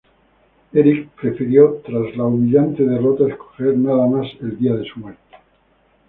Eric prefirió tras la humillante derrota escoger nada más el día de su muerte.